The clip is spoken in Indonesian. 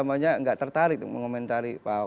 saya tidak tertarik mengomentari pak ahok